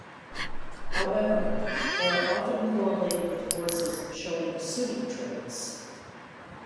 However, they are often correlated with horses showing sooty traits.